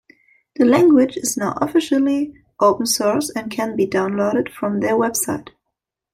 The language is now officially open source and can be downloaded from their website.